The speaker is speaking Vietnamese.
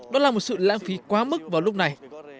đó là một sự lãng phí quá mức vào lúc này